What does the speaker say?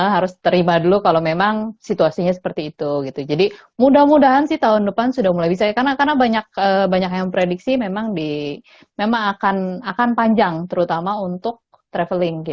harus terima dulu kalau memang situasinya seperti itu gitu jadi mudah mudahan sih tahun depan sudah mulai bisa ya karena karena banyak banyak yang prediksi memang di memang akan akan panjang terutama untuk traveling ke luar negeri ya kan